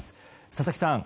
佐々木さん